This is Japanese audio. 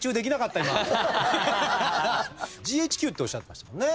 ＧＨＱっておっしゃってましたもんね。